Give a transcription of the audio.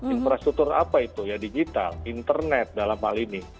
infrastruktur apa itu ya digital internet dalam hal ini